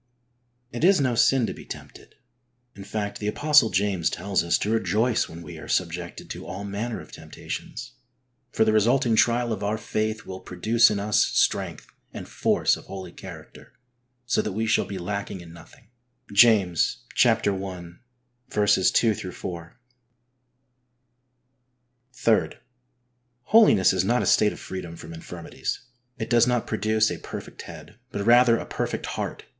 It is no sin to be tempted ; in fact, the Apostle James tells us to rejoice when we are subjected to all manner of temptations, for the resulting trial of our faith will produce in us strength and force of holy character, so that we shall be lacking in nothing {James i. 2 4). III. Holiness is not a state of freedom from in firmities. It does not produce a perfect head, but rather a perfect heart